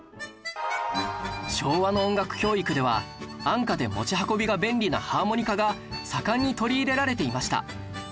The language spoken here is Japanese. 昭和の音楽教育では安価で持ち運びが便利なハーモニカが盛んに取り入れられていました